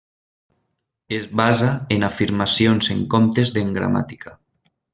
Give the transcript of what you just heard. Es basa en afirmacions en comptes d'en gramàtica.